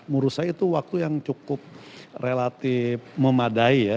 menurut saya itu waktu yang cukup relatif memadai ya